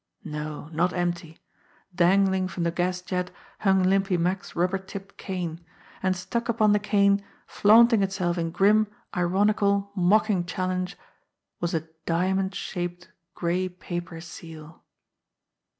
No, not empty ! Dangling from the gas jet hung Limpy Mack's rubber tipped cane; and stuck 72 JIMMIE DALE AND THE PHANTOM CLUE upon the cane, flaunting itself in grim, ironical, mocking challenge was a diamond shaped gray paper seal.